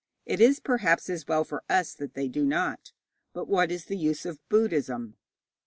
It is, perhaps, as well for us that they do not. But what is the use of Buddhism?'